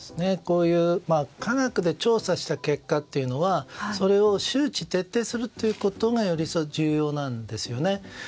こういう科学で調査した結果というのはそれを周知徹底するということがより重要なんですよね。